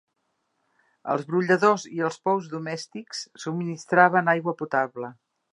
Els brolladors i els pous domèstics subministraven aigua potable.